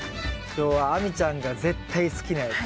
今日は亜美ちゃんが絶対好きなやつ。